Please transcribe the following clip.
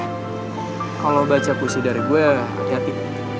kalau baca puisi dari gue hati hati